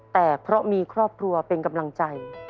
แต่เพราะมีครอบครัวเป็นกำลังใจ